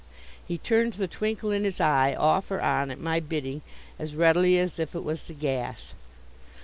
He turned the twinkle in his eye off or on at my bidding as readily as if it was the gas.